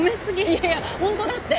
いやいやホントだって。